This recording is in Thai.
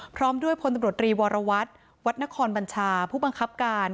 พร้อมด้วยพลตำรวจรีวรวัตรวัดนครบัญชาผู้บังคับการ